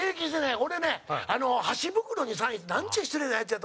俺ね、箸袋にサインってなんちゅう失礼なヤツやって。